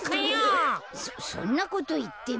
そんなこといっても。